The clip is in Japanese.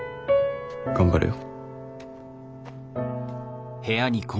頑張れよ。